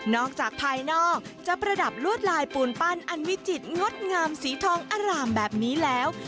จากภายนอกจะประดับลวดลายปูนปั้นอันวิจิตรงดงามสีทองอร่ามแบบนี้แล้ว